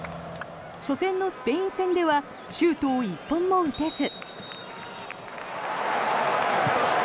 初戦のスペイン戦ではシュートを１本も打てず。